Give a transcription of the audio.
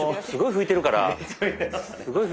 すごい拭いてるから。